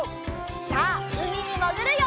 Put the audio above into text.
さあうみにもぐるよ！